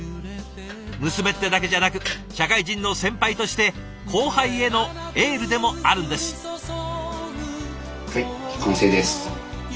娘ってだけじゃなく社会人の先輩として後輩へのエールでもあるんです。